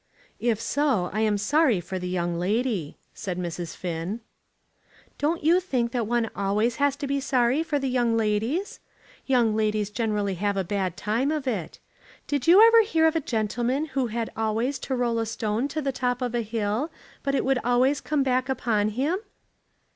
"If so, I am sorry for the young lady," said Mrs. Finn. "Don't you think that one always has to be sorry for the young ladies? Young ladies generally have a bad time of it. Did you ever hear of a gentleman who had always to roll a stone to the top of a hill, but it would always come back upon him?"